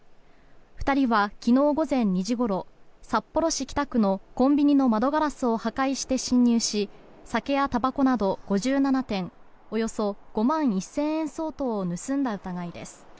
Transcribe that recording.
２人は昨日午前２時ごろ札幌市北区のコンビニの窓ガラスを破壊して侵入し酒やたばこなど５７点およそ５万１０００円相当を盗んだ疑いです。